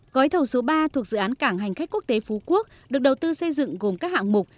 gói thầu số ba thuộc dự án cảng hành khách quốc tế phú quốc được đầu tư xây dựng gồm các hạng mục